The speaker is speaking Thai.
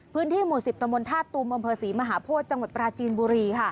พื้นที่หมู่๑๐ตมท่าตุมอำเภอศรีมหาโพธิจังหวัดปราจีนบุรี